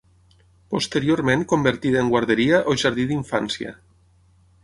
Posteriorment convertida en guarderia o jardí d'infància.